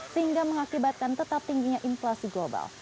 sehingga mengakibatkan tetap tingginya inflasi global